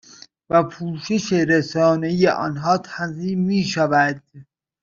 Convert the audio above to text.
و پوشش رسانه ای آنها تنظیم می شود